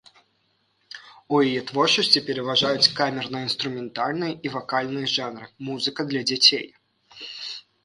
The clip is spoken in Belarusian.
У яе творчасці пераважаюць камерна-інструментальныя і вакальныя жанры, музыка для дзяцей.